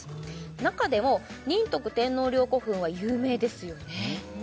中でも仁徳天皇陵古墳は有名ですよね